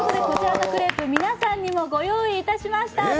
こちらのクレープ、皆さんにもご用意しました。